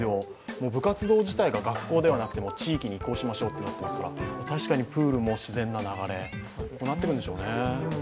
もう部活動自体が学校ではなくて地域に移行しましょうとなっていますから確かにプールも自然な流れになっているんでしょうね。